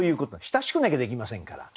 親しくなきゃできませんから。